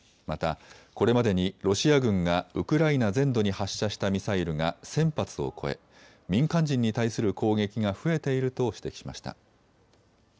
また、これまでにロシア軍がウクライナ全土に発射したミサイルが１０００発を超え民間人に対する攻撃が増えていると指摘しました。